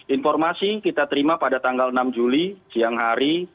informasi kita terima pada tanggal enam juli siang hari